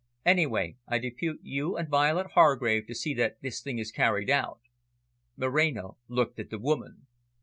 "Anyway, I depute you and Violet Hargrave to see that this thing is carried out." Moreno looked at the woman.